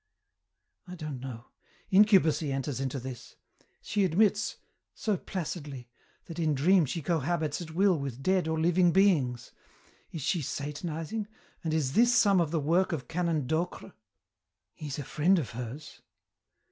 "I don't know. Incubacy enters into this. She admits so placidly! that in dream she cohabits at will with dead or living beings. Is she Satanizing, and is this some of the work of Canon Docre? He's a friend of hers.